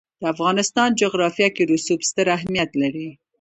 د افغانستان جغرافیه کې رسوب ستر اهمیت لري.